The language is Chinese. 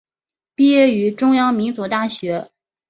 毕业于中央民族大学。